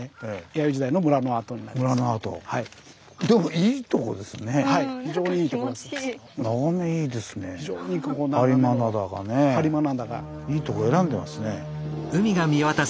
いいとこ選んでますね。